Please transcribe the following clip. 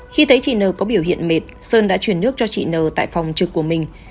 khi thấy chị n có biểu hiện mệt sơn đã chuyển nước cho chị n tại phòng trực của mình